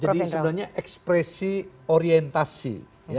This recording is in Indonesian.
jadi sebenarnya ekspresi orientasi